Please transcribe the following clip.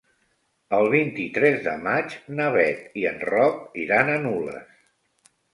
El vint-i-tres de maig na Bet i en Roc iran a Nules.